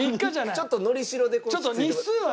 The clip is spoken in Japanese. ちょっとのりしろでこう。